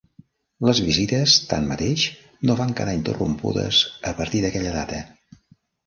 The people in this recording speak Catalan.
Les visites, tanmateix, no van quedar interrompudes a partir d'aquella data.